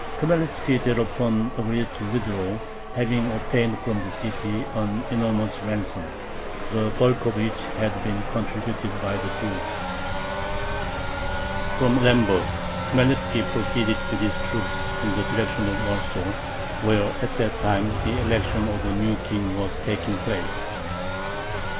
Khmelnitzki thereupon agreed to withdraw, having obtained from the city an enormous ransom, the bulk of which had been contributed by the Jews. From Lemberg Khmelnitzki proceeded with his troops in the direction of Warsaw, where at that time the election of a new king was taking place.